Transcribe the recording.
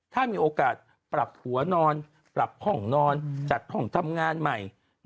ถ้ามีโอกาสปรับหัวนอนปรับห้องนอนจัดห้องทำงานใหม่